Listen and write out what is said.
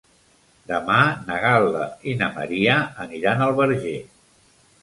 Demà na Gal·la i na Maria aniran al Verger.